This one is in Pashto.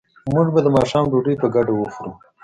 موږ به د ماښام ډوډۍ په ګډه وخورو